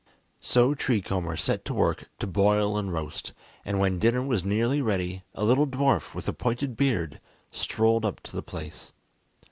So Tree Comber set to work to boil and roast, and when dinner was nearly ready, a little dwarf with a pointed beard strolled up to the place.